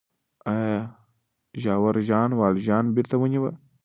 آیا ژاور ژان والژان بېرته ونیوه؟